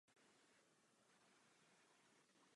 Během husitských válek byl opuštěn.